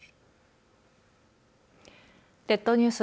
列島ニュース